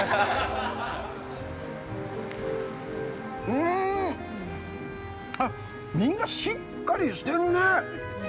うーん！あっ、身がしっかりしてるね！